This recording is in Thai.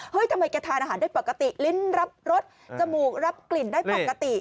ทำไมแกทานอาหารได้ปกติลิ้นรับรสจมูกรับกลิ่นได้ปกติ